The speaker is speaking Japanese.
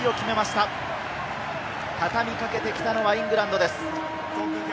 たたみかけてきたのはイングランドです。